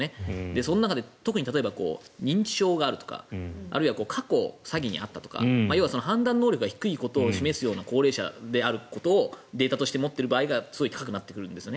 その中で特に例えば認知症があるとか過去詐欺に遭ったとか要は判断能力が低いようなことを示す高齢者であることをデータとして持っている場合がすごい高くなってくるんですね。